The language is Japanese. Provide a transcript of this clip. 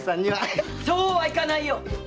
そうはいかないよ！